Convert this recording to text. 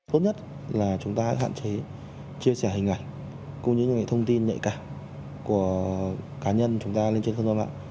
tốt nhất là chúng ta hạn chế chia sẻ hình ảnh cũng như những cái thông tin nhạy cả của cá nhân chúng ta lên trên khuôn mặt